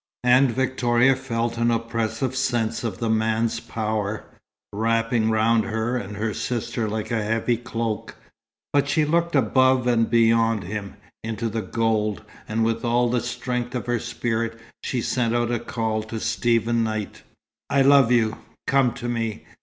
And Victoria felt an oppressive sense of the man's power, wrapping round her and her sister like a heavy cloak. But she looked above and beyond him, into the gold, and with all the strength of her spirit she sent out a call to Stephen Knight. "I love you. Come to me.